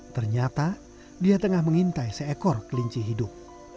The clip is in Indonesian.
ternyata dia tengah mengintai seekor kelinci hidup